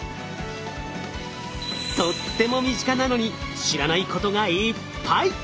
とっても身近なのに知らないことがいっぱい！